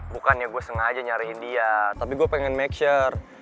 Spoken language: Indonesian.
bukannya gua sengaja nyariin dia tapi gua pengen make sure